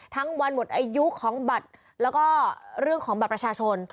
วันหมดอายุของบัตรแล้วก็เรื่องของบัตรประชาชน